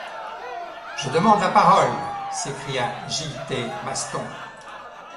Je demande la parole, » s’écria J.-T. Maston.